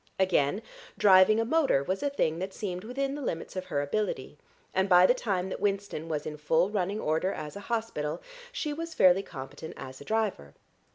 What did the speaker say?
Again, driving a motor was a thing that seemed within the limits of her ability, and by the time that Winston was in full running order as a hospital she was fairly competent as a driver.